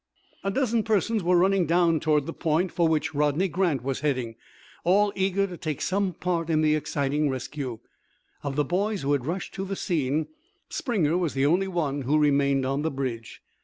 A dozen persons were running down toward the point for which Rodney Grant was heading, all eager to take some part in the exciting rescue. Of the boys who had rushed to the scene, Springer was the only one who remained on the bridge.